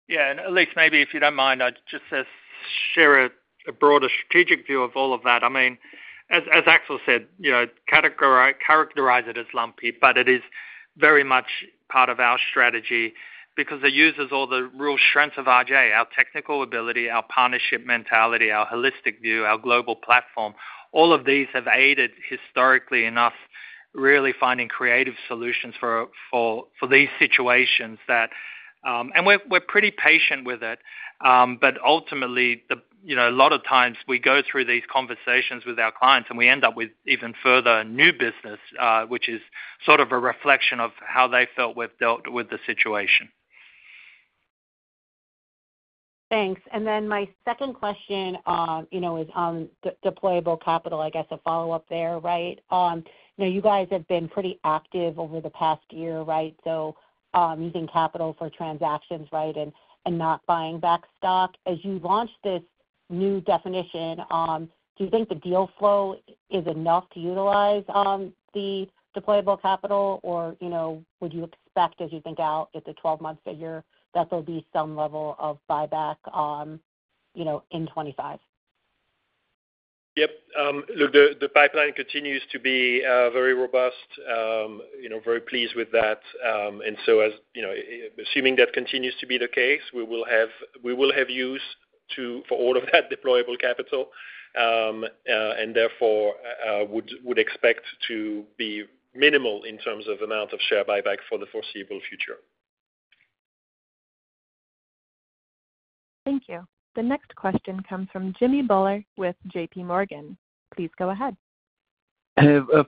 Yeah. And Elyse, maybe if you don't mind, I'd just share a broader strategic view of all of that. I mean, as Axel said, characterize it as lumpy, but it is very much part of our strategy because it uses all the real strengths of RGA, our technical ability, our partnership mentality, our holistic view, our global platform. All of these have aided historically enough, really finding creative solutions for these situations. And we're pretty patient with it. But ultimately, a lot of times, we go through these conversations with our clients, and we end up with even further new business, which is sort of a reflection of how they felt with the situation. Thanks. Then my second question is on deployable capital, I guess a follow-up there, right? You guys have been pretty active over the past year, right? Using capital for transactions, right, and not buying back stock. As you launched this new definition, do you think the deal flow is enough to utilize the deployable capital, or would you expect, as you think out at the 12-month figure, that there'll be some level of buyback in 2025? Yep. Look, the pipeline continues to be very robust. Very pleased with that. And so assuming that continues to be the case, we will have use for all of that deployable capital, and therefore would expect to be minimal in terms of amount of share buyback for the foreseeable future. Thank you. The next question comes from Jimmy Bhullar with JPMorgan. Please go ahead.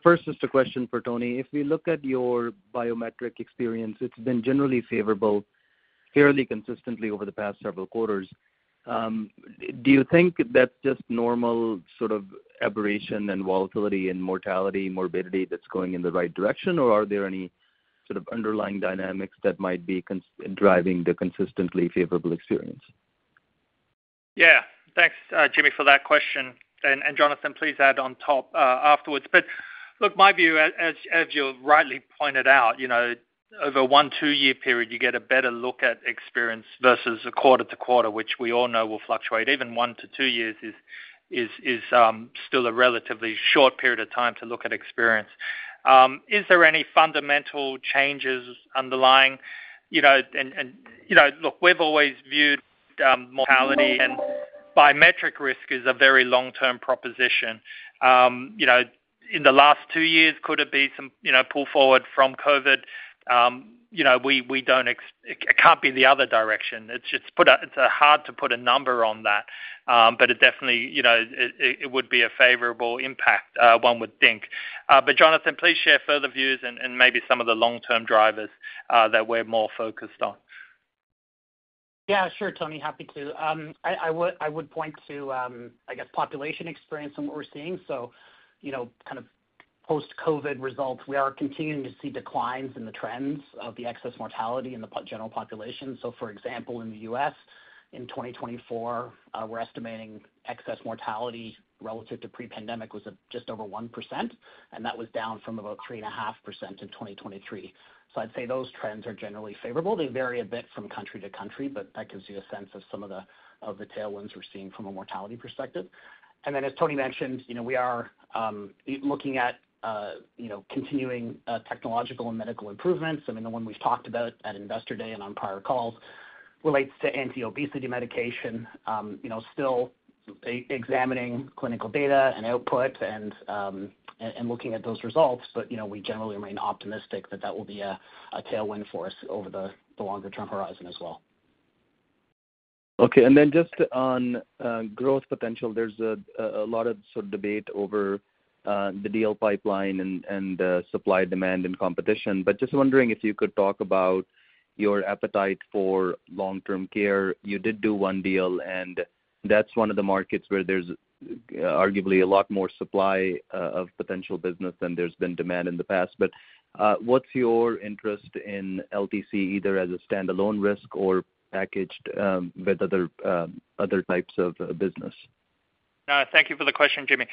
First, just a question for Tony. If we look at your biometric experience, it's been generally favorable, fairly consistently over the past several quarters. Do you think that's just normal sort of aberration and volatility and mortality, morbidity that's going in the right direction, or are there any sort of underlying dynamics that might be driving the consistently favorable experience? Yeah. Thanks, Jimmy, for that question. And Jonathan, please add on top afterwards. But look, my view, as you've rightly pointed out, over one two-year period, you get a better look at experience versus a quarter to quarter, which we all know will fluctuate. Even one to two years is still a relatively short period of time to look at experience. Is there any fundamental changes underlying? And look, we've always viewed mortality, and biometric risk is a very long-term proposition. In the last two years, could it be some pull forward from COVID? We don't expect it can't be the other direction. It's hard to put a number on that, but it definitely would be a favorable impact, one would think. But Jonathan, please share further views and maybe some of the long-term drivers that we're more focused on. Yeah, sure, Tony. Happy to. I would point to, I guess, population experience and what we're seeing. So kind of post-COVID results, we are continuing to see declines in the trends of the excess mortality in the general population. So for example, in the U.S., in 2024, we're estimating excess mortality relative to pre-pandemic was just over 1%, and that was down from about 3.5% in 2023. So I'd say those trends are generally favorable. They vary a bit from country to country, but that gives you a sense of some of the tailwinds we're seeing from a mortality perspective. And then, as Tony mentioned, we are looking at continuing technological and medical improvements. I mean, the one we've talked about at Investor Day and on prior calls relates to anti-obesity medication, still examining clinical data and output and looking at those results. But we generally remain optimistic that that will be a tailwind for us over the longer-term horizon as well. Okay. And then just on growth potential, there's a lot of sort of debate over the deal pipeline and supply demand and competition. But just wondering if you could talk about your appetite for long-term care. You did do one deal, and that's one of the markets where there's arguably a lot more supply of potential business than there's been demand in the past. But what's your interest in LTC, either as a standalone risk or packaged with other types of business? Thank you for the question, Jimmy.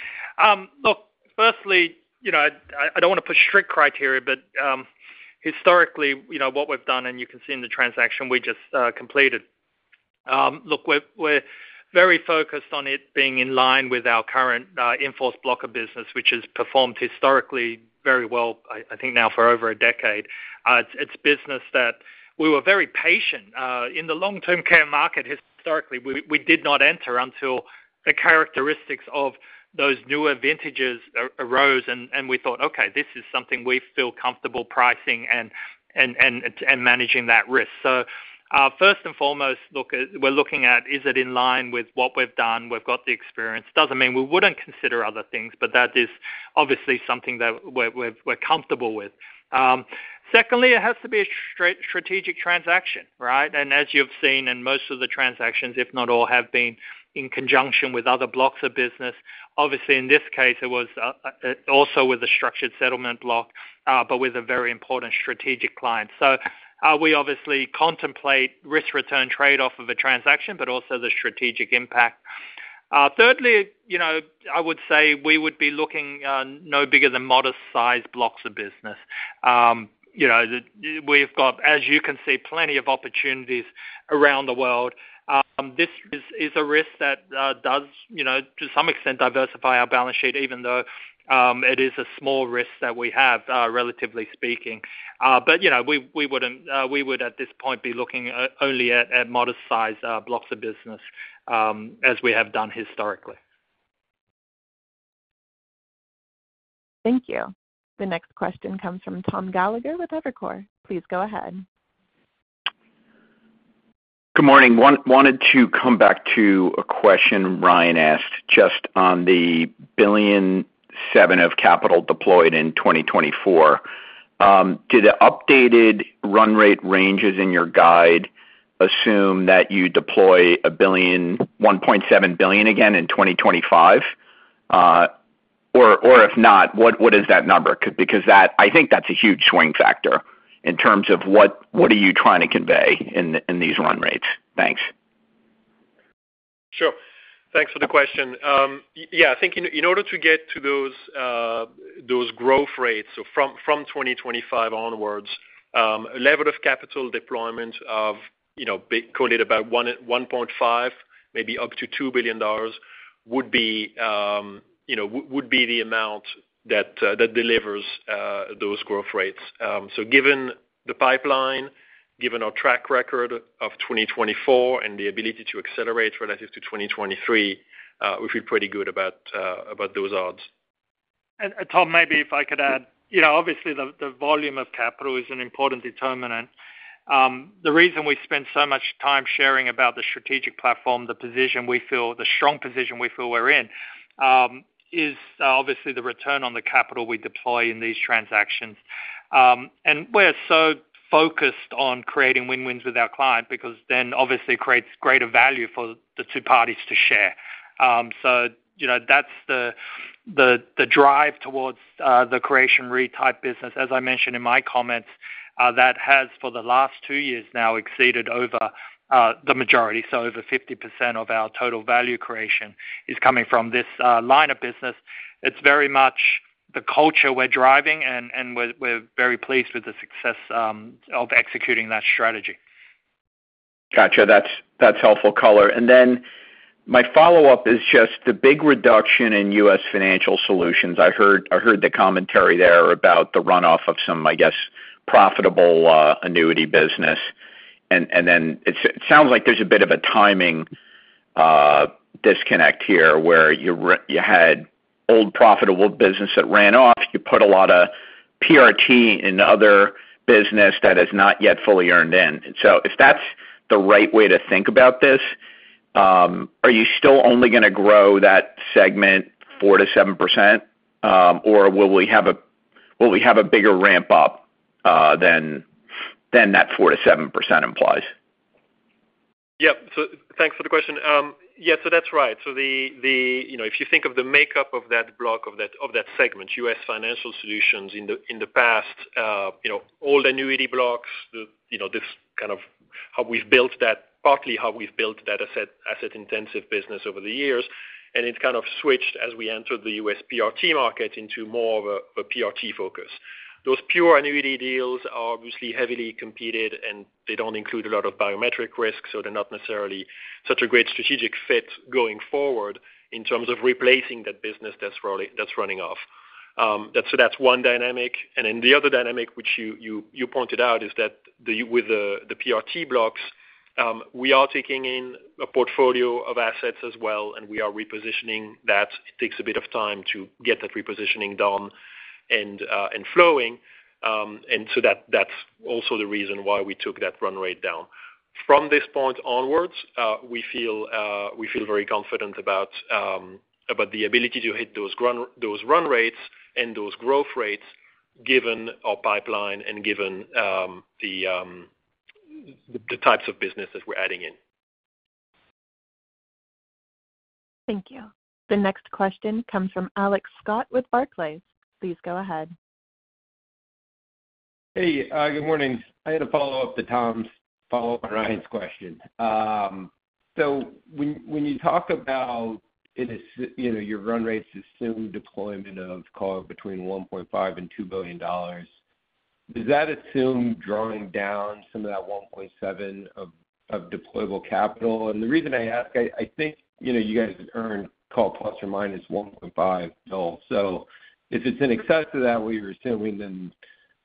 Look, firstly, I don't want to put strict criteria, but historically, what we've done, and you can see in the transaction we just completed, look, we're very focused on it being in line with our current in-force block business, which has performed historically very well, I think now for over a decade. It's business that we were very patient. In the long-term care market, historically, we did not enter until the characteristics of those newer vintages arose, and we thought, "Okay, this is something we feel comfortable pricing and managing that risk." So first and foremost, look, we're looking at, is it in line with what we've done? We've got the experience. It doesn't mean we wouldn't consider other things, but that is obviously something that we're comfortable with. Secondly, it has to be a strategic transaction, right? And as you've seen in most of the transactions, if not all, have been in conjunction with other blocks of business. Obviously, in this case, it was also with a structured settlement block, but with a very important strategic client. So we obviously contemplate risk-return trade-off of a transaction, but also the strategic impact. Thirdly, I would say we would be looking no bigger than modest-sized blocks of business. We've got, as you can see, plenty of opportunities around the world. This is a risk that does, to some extent, diversify our balance sheet, even though it is a small risk that we have, relatively speaking. But we would, at this point, be looking only at modest-sized blocks of business as we have done historically. Thank you. The next question comes from Tom Gallagher with Evercore. Please go ahead. Good morning. Wanted to come back to a question Ryan asked just on the $1.7 billion of capital deployed in 2024. Did the updated run rate ranges in your guide assume that you deploy $1 billion, $1.7 billion again in 2025? Or if not, what is that number? Because I think that's a huge swing factor in terms of what are you trying to convey in these run rates? Thanks. Sure. Thanks for the question. Yeah. I think in order to get to those growth rates from 2025 onwards, a level of capital deployment of, call it about $1.5 billion, maybe up to $2 billion would be the amount that delivers those growth rates. So given the pipeline, given our track record of 2024 and the ability to accelerate relative to 2023, we feel pretty good about those odds. Tom, maybe if I could add, obviously, the volume of capital is an important determinant. The reason we spend so much time sharing about the strategic platform, the position we feel, the strong position we feel we're in, is obviously the return on the capital we deploy in these transactions. We're so focused on creating win-wins with our client because then obviously it creates greater value for the two parties to share. That's the drive towards the Creation Re type business. As I mentioned in my comments, that has for the last two years now exceeded over the majority. Over 50% of our total value creation is coming from this line of business. It's very much the culture we're driving, and we're very pleased with the success of executing that strategy. Gotcha. That's helpful color. And then my follow-up is just the big reduction in U.S. Financial Solutions. I heard the commentary there about the runoff of some, I guess, profitable annuity business. And then it sounds like there's a bit of a timing disconnect here where you had old profitable business that ran off. You put a lot of PRT in other business that has not yet fully earned in. So if that's the right way to think about this, are you still only going to grow that segment 4%-7%, or will we have a bigger ramp up than that 4%-7% implies? Yep. So thanks for the question. Yeah. So that's right. So if you think of the makeup of that block of that segment, U.S. Financial Solutions in the past, old annuity blocks, this kind of how we've built that, partly how we've built that asset-intensive business over the years, and it kind of switched as we entered the U.S. PRT market into more of a PRT focus. Those pure annuity deals are obviously heavily competed, and they don't include a lot of biometric risk, so they're not necessarily such a great strategic fit going forward in terms of replacing that business that's running off. So that's one dynamic. And then the other dynamic, which you pointed out, is that with the PRT blocks, we are taking in a portfolio of assets as well, and we are repositioning that. It takes a bit of time to get that repositioning done and flowing. And so that's also the reason why we took that run rate down. From this point onwards, we feel very confident about the ability to hit those run rates and those growth rates given our pipeline and given the types of business that we're adding in. Thank you. The next question comes from Alex Scott with Barclays. Please go ahead. Hey, good morning. I had a follow-up to Tom's follow-up on Ryan's question. So when you talk about your run rates assumed deployment of, call it, $1.5 billion-$2 billion, does that assume drawing down some of that $1.7 billion of deployable capital? And the reason I ask, I think you guys earned, call it plus or minus, $1.5 billion. So if it's in excess of that, we were assuming, then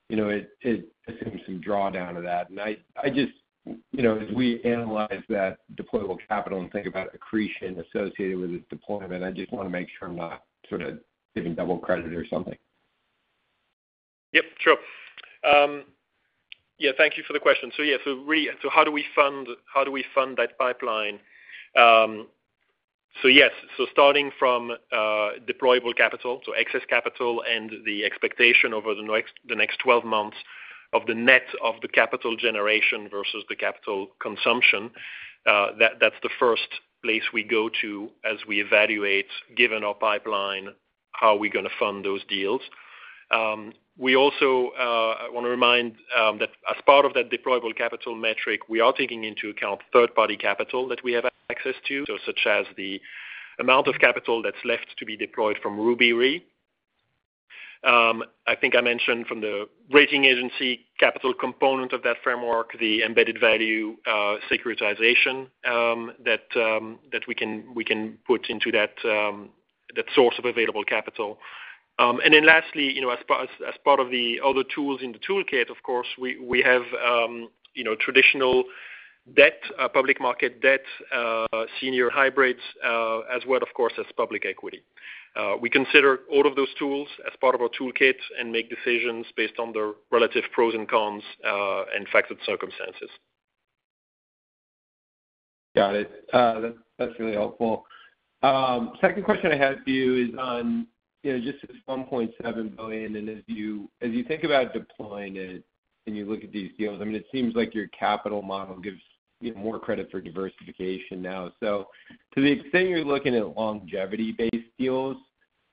it assumes some drawdown of that. And I just, as we analyze that deployable capital and think about accretion associated with its deployment, I just want to make sure I'm not sort of giving double credit or something. Yep. Sure. Yeah. Thank you for the question. So yeah, so how do we fund that pipeline? So yes, so starting from deployable capital, so excess capital and the expectation over the next 12 months of the net of the capital generation versus the capital consumption, that's the first place we go to as we evaluate, given our pipeline, how we're going to fund those deals. We also want to remind that as part of that deployable capital metric, we are taking into account third-party capital that we have access to, such as the amount of capital that's left to be deployed from Ruby Re. I think I mentioned, from the rating agency capital component of that framework, the embedded value securitization that we can put into that source of available capital. And then lastly, as part of the other tools in the toolkit, of course, we have traditional debt, public market debt, senior hybrids, as well, of course, as public equity. We consider all of those tools as part of our toolkit and make decisions based on their relative pros and cons and facts and circumstances. Got it. That's really helpful. Second question I had for you is on just this $1.7 billion, and as you think about deploying it and you look at these deals, I mean, it seems like your capital model gives more credit for diversification now. So to the extent you're looking at longevity-based deals,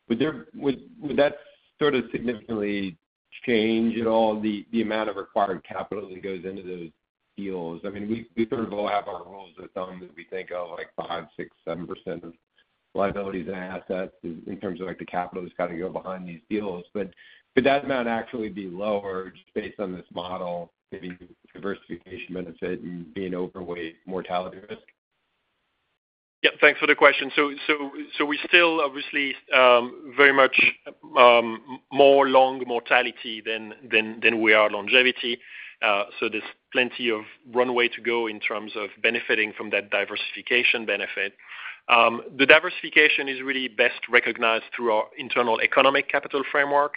would that sort of significantly change at all the amount of required capital that goes into those deals? I mean, we sort of all have our rules that we think of like five, six, seven% of liabilities and assets in terms of the capital that's got to go behind these deals, but could that amount actually be lowered based on this model, maybe diversification benefit and being overweight mortality risk? Yep. Thanks for the question. So we still obviously very much more long mortality than we are longevity. So there's plenty of runway to go in terms of benefiting from that diversification benefit. The diversification is really best recognized through our internal economic capital framework.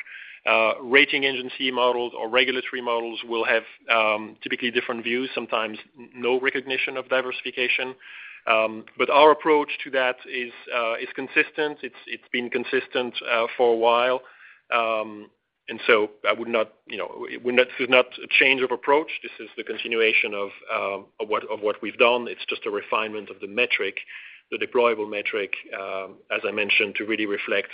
Rating agency models or regulatory models will have typically different views, sometimes no recognition of diversification. But our approach to that is consistent. It's been consistent for a while. And so this is not a change of approach. This is the continuation of what we've done. It's just a refinement of the metric, the deployable metric, as I mentioned, to really reflect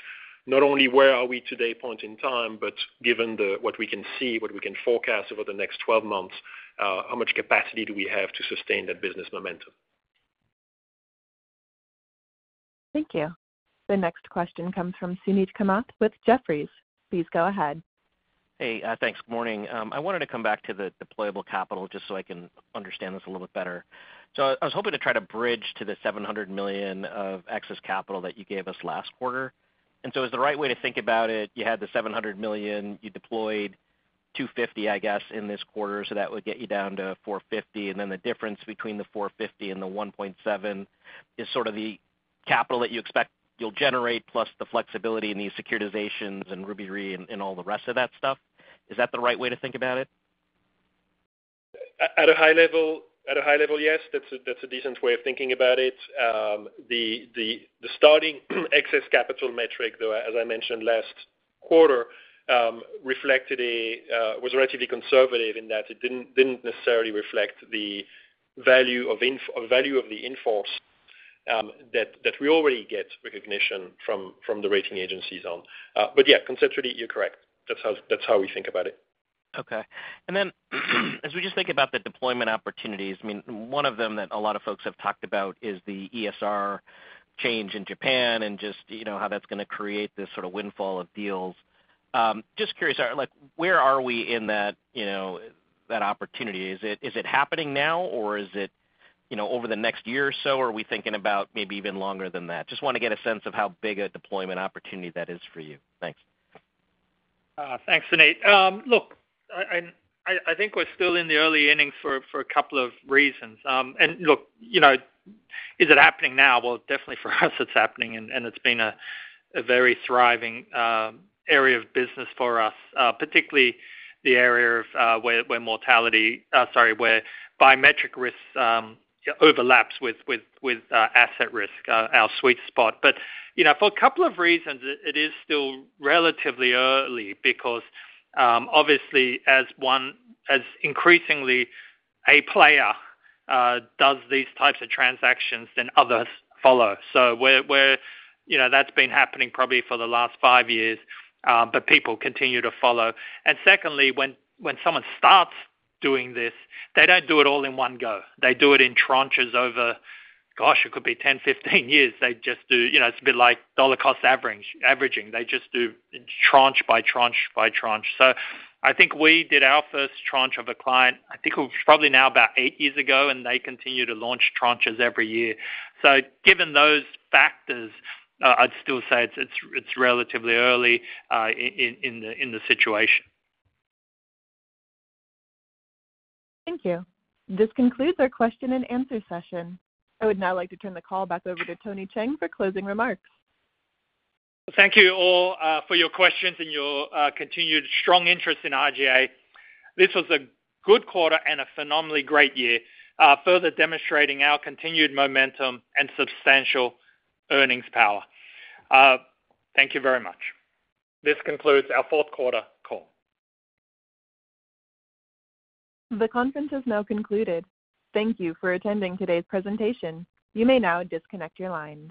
not only where are we today point in time, but given what we can see, what we can forecast over the next 12 months, how much capacity do we have to sustain that business momentum. Thank you. The next question comes from Suneet Kamath with Jefferies. Please go ahead. Hey, thanks. Good morning. I wanted to come back to the deployable capital just so I can understand this a little bit better. So I was hoping to try to bridge to the $700 million of excess capital that you gave us last quarter. And so is the right way to think about it, you had the $700 million, you deployed $250 million, I guess, in this quarter, so that would get you down to $450 million. And then the difference between the $450 million and the $1.7 billion is sort of the capital that you expect you'll generate plus the flexibility and these securitizations and Ruby Re and all the rest of that stuff. Is that the right way to think about it? At a high level, yes, that's a decent way of thinking about it. The starting excess capital metric, though, as I mentioned last quarter, reflected what was relatively conservative in that it didn't necessarily reflect the value of the in-force that we already get recognition from the rating agencies on. But yeah, conceptually, you're correct. That's how we think about it. Okay. And then as we just think about the deployment opportunities, I mean, one of them that a lot of folks have talked about is the ESR change in Japan and just how that's going to create this sort of windfall of deals. Just curious, where are we in that opportunity? Is it happening now, or is it over the next year or so, or are we thinking about maybe even longer than that? Just want to get a sense of how big a deployment opportunity that is for you. Thanks. Thanks, Suneet. Look, I think we're still in the early innings for a couple of reasons. And look, is it happening now? Well, definitely for us, it's happening, and it's been a very thriving area of business for us, particularly the area where mortality sorry, where biometric risk overlaps with asset risk, our sweet spot. But for a couple of reasons, it is still relatively early because, obviously, as increasingly a player does these types of transactions, then others follow. So that's been happening probably for the last five years, but people continue to follow. And secondly, when someone starts doing this, they don't do it all in one go. They do it in tranches over, gosh, it could be 10, 15 years. They just do it's a bit like dollar cost averaging. They just do tranche by tranche by tranche. So I think we did our first tranche of a client. I think it was probably now about eight years ago, and they continue to launch tranches every year. So given those factors, I'd still say it's relatively early in the situation. Thank you. This concludes our question and answer session. I would now like to turn the call back over to Tony Cheng for closing remarks. Thank you all for your questions and your continued strong interest in RGA. This was a good quarter and a phenomenally great year, further demonstrating our continued momentum and substantial earnings power. Thank you very much. This concludes our fourth quarter call. The conference is now concluded. Thank you for attending today's presentation. You may now disconnect your lines.